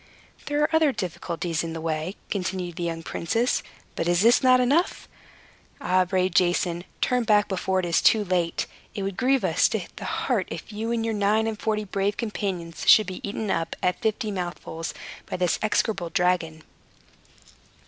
"There are other difficulties in the way," continued the young princes. "But is not this enough? Ah, brave Jason, turn back before it is too late. It would grieve us to the heart, if you and your nine and forty brave companions should be eaten up, at fifty mouthfuls, by this execrable dragon."